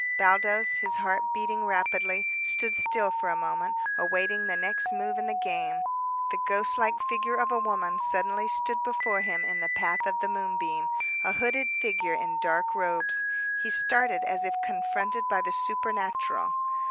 Baldos, his heart beating rapidly, stood still for a moment, awaiting the next move in the game. The ghost like figure of a woman suddenly stood before him in the path of the moonbeam, a hooded figure in dark robes. He started as if confronted by the supernatural.